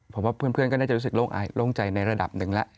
ผมว่าเพื่อนก็น่าจะรู้สึกโล่งใจในระดับหนึ่งแล้ว